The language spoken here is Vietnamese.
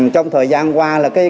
trong thời gian qua